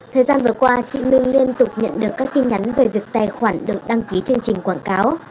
thời gian vừa qua chị minh liên tục nhận được các tin nhắn về việc tài khoản được đăng ký chương trình quảng cáo